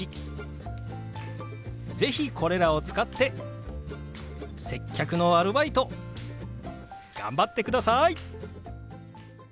是非これらを使って接客のアルバイト頑張ってください！